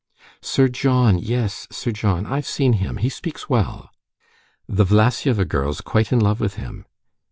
"Sir John! Yes, Sir John; I've seen him. He speaks well. The Vlassieva girl's quite in love with him."